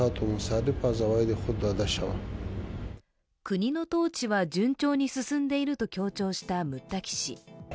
国の統治は順調に進んでいると強調したムッタキ氏。